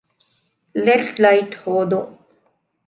ލެޑް ލައިޓް ހޯދުން